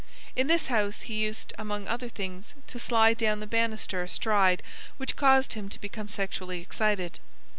In this house he used, among other things, to slide down the banister astride which caused him to become sexually excited.